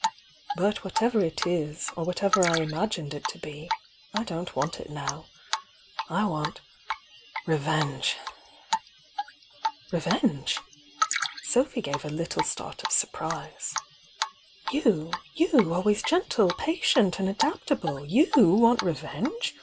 "But whatever it is, or whatever I imae med It to be, I don't want it now. I want— re venge! ' ..v'^9^®?^®'" ^°^^y ^^^^*''"'®''*"*■°^ surprise. Youf You, always gentle, patient and adaptable! you want 'revenge'?